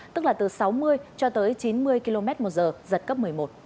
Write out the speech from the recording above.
tức là từ sáu mươi cho tới chín mươi km một giờ giật cấp một mươi một